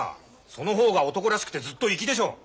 その方が男らしくてずっと粋でしょう。